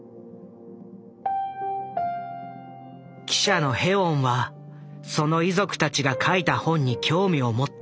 記者のヘウォンはその遺族たちが書いた本に興味を持った。